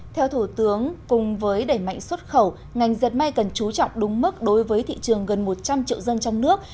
theo thủ tướng cùng với đẩy mạnh xuất khẩu ngành diệt may cần chú trọng đúng mức đối với thị trường gần một trăm linh triệu dân trong nước